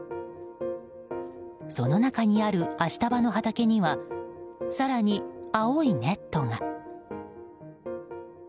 その中にあるアシタバの畑には更に青いネットが。